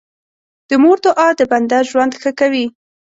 د مور دعا د بنده ژوند ښه کوي.